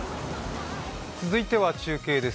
続いては中継です。